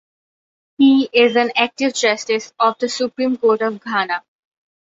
He is an active Justice of the Supreme Court of Ghana.